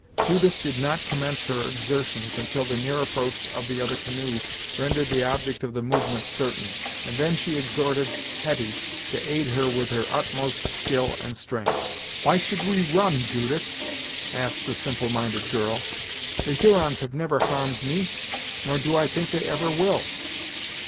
Judith did not commence her exertions until the near approach of the other canoe rendered the object of the movement certain, and then she exhorted Hetty to aid her with her utmost skill and strength. "Why should we run, Judith?" asked the simple minded girl. "The Hurons have never harmed me, nor do I think they ever will."